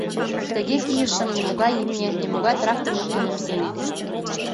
— Тыге кийышым нимогай имне, нимогай трактор луктын ок сеҥе...